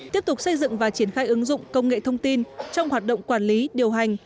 tiếp tục xây dựng và triển khai ứng dụng công nghệ thông tin trong hoạt động quản lý điều hành